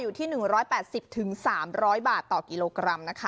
อยู่ที่หนึ่งร้อยแปดสิบถึงสามร้อยบาทต่อกิโลกรัมนะคะ